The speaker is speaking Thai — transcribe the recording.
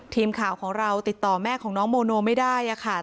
ทีมข่าวของเราติดต่อแม่ของน้องโมโนไม่ได้ค่ะ